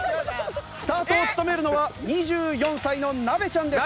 スタートを務めるのは２４歳のなべちゃんです。